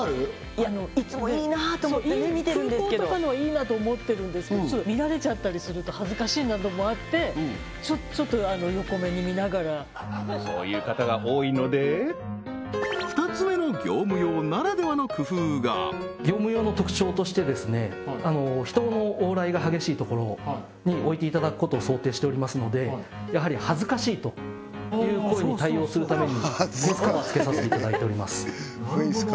いやいつもいいなと思って見てるんですけど空港とかのはいいなと思ってるんですけど見られちゃったりすると恥ずかしいなどもあってちょっと横目に見ながらそういう方が多いので２つ目の業務用ならではの工夫が業務用の特徴としてしておりますのでやはり恥ずかしいという声に対応するためにフェイスカバー付けさせていただいております